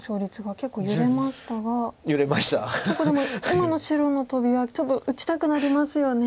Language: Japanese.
結構でも今の白のトビはちょっと打ちたくなりますよね。